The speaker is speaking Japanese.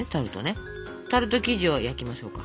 タルト生地を焼きましょうか。